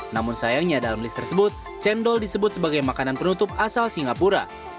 namun sayangnya dalam list tersebut cendol disebut sebagai makanan penutup asal singapura